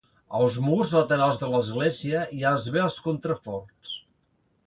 Als murs laterals de l'església hi ha esvelts contraforts.